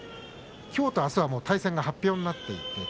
きょうとあすは対戦が発表になっています。